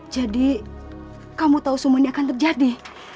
jadi kamu tahu semua ini akan terjadi